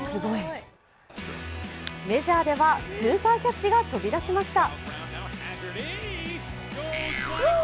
メジャーではスーパーキャッチが飛び出しました。